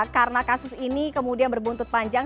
karena kasus ini kemudian berbuntut panjang